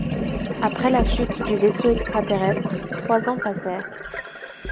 Après la chute du vaisseau extraterrestre, trois ans passèrent.